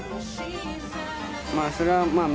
まあそれはまあ